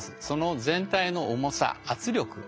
その全体の重さ圧力。